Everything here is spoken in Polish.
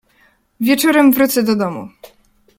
"Wieczorem wrócę do domu."